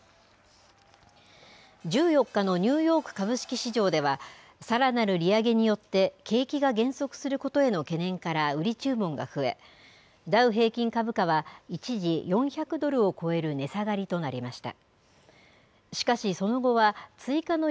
１４日のニューヨーク株式市場ではさらなる利上げによって景気が減速することへの懸念から売り注文が増え、ダウ平均株価は一時４００ドルを超える値下がりとなりました。